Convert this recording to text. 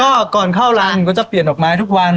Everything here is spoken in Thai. ก็ก่อนเข้ารังก็จะเปลี่ยนดอกไม้ทุกวัน